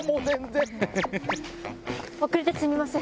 遅れてすみません。